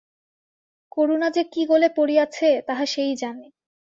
করুণা যে কী গোলে পড়িয়াছে তাহা সেই জানে।